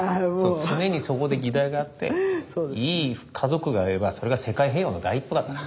常にそこで議題があっていい家族があればそれが世界平和の第一歩だから。